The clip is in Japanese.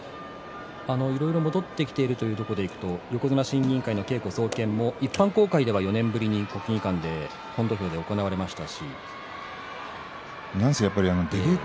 いろいろ戻ってきているということでいうと横綱審議委員会の稽古総見も一般のお客さんを入れて本土俵で行われました。